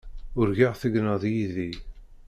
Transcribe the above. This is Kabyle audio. Urgaɣ tegneḍ yid-i.